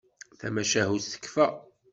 Tamacahut tekfa.